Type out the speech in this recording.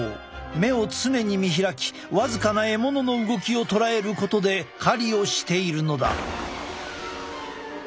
目を常に見開き僅かな獲物の動きを捉えることで狩りをしているのだ。